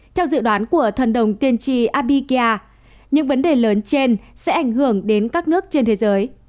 theo dự đoán của thần đồng tiên tri abikia những vấn đề lớn trên sẽ ảnh hưởng đến các nước trên thế giới